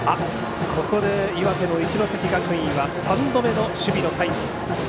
ここで岩手の一関学院は３度目の守備のタイム。